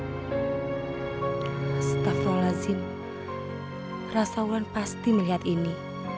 astaghfirullahaladzim rasauan pasti melihat ini